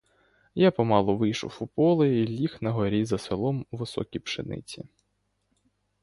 Я помалу вийшов у поле й ліг на горі за селом у високій пшениці.